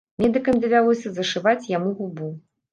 Медыкам давялося зашываць яму губу.